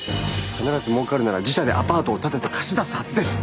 必ずもうかるなら自社でアパートを建てて貸し出すはずです！